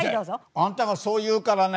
あんたがそう言うからね